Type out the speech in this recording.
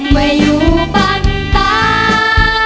ไม่อยู่บ้านตา